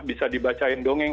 bisa dibacain dongeng